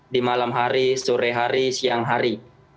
di malam hari sore hari siang hari